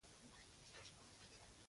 ژوندي د ژوند قهر زغمي